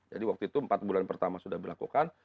jadi waktu itu empat bulan pertama sudah dilakukan